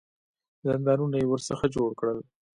زندانونه یې ورڅخه جوړ کړل.